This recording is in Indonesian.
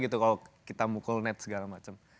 kita ngerasa ada ngerasa kita mukul net segala macem